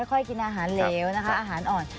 ค่อยกินอาหารเหลวนะคะอาหารอ่อน